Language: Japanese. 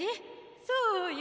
そうよ。